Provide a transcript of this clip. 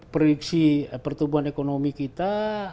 prediksi pertumbuhan ekonomi kita